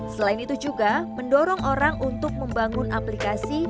selain itu juga mendorong orang untuk membangun aplikasi